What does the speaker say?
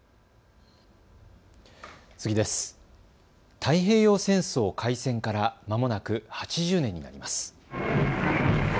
太平洋戦争開戦からまもなく８０年になります。